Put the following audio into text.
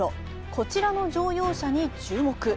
こちらの乗用車に注目。